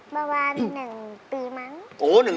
เมื่อวาน๑ปีมั้ง